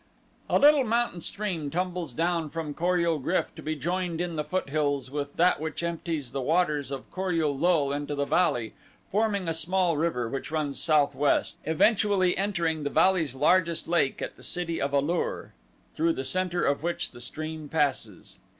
A little mountain stream tumbles down from Kor ul GRYF to be joined in the foothills with that which empties the waters of Kor ul lul into the valley, forming a small river which runs southwest, eventually entering the valley's largest lake at the City of A lur, through the center of which the stream passes.